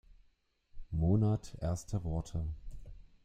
Monat erste Worte.